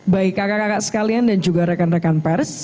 baik kakak kakak sekalian dan juga rekan rekan pers